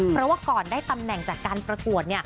เพราะว่าก่อนได้ตำแหน่งจากการประกวด